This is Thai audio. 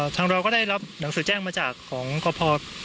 ทางเราก็ได้รับหนังสือแจ้งมาจากของกภ